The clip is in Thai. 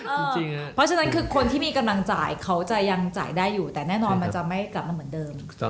เพราะฉะนั้นคือคนที่มีกำลังจ่ายเขาจะยังจ่ายได้อยู่แต่แน่นอนมันจะไม่กลับมาเหมือนเดิม